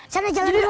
sana jalan duluan